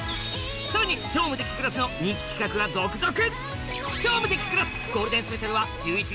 さらに『超無敵クラス』の人気企画が続々！